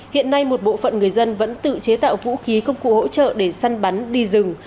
hiện nay một bộ phận người dân vẫn tự chế tạo vũ khí công cụ hỗ trợ để săn bắn đi rừng